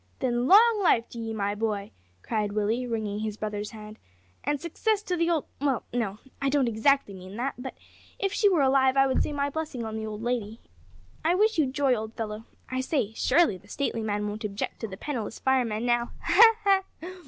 "Then long life to ye, my boy!" cried Willie, wringing his brother's hand, "and success to the old well, no, I don't exactly mean that, but if she were alive I would say my blessing on the old lady. I wish you joy, old fellow! I say, surely the stately man won't object to the penniless fireman now ha! ha!